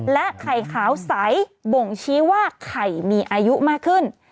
ไข่ขาวใสบ่งชี้ว่าไข่มีอายุมากขึ้น